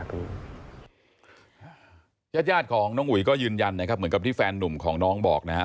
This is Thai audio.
ราชย่าของอุ๋ยก็ยืนยันนะครับเหมือนที่แฟนหนุ่มของน้องเบาะ